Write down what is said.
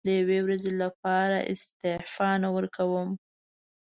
د یوې ورځې لپاره استعفا نه ورکووم.